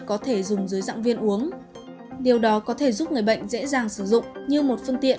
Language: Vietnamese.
có thể dùng dưới dạng viên uống điều đó có thể giúp người bệnh dễ dàng sử dụng như một phương tiện